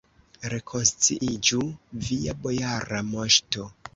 Rekonsciiĝu, via bojara moŝto!